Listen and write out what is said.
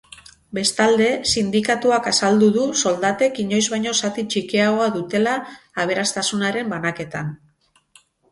Bestalde, sindikatuak azaldu du soldatek inoiz baino zati txikiagoa dutela aberastasunaren banaketan.